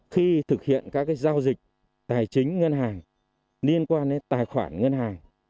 khi thực hiện các giao dịch tài chính ngân hàng liên quan đến tài khoản ngân hàng